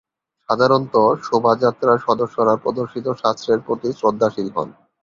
সাধারণত, শোভাযাত্রার সদস্যরা প্রদর্শিত শাস্ত্রের প্রতি শ্রদ্ধাশীল হন।